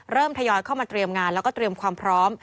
ทยอยเข้ามาเตรียมงานแล้วก็เตรียมความพร้อม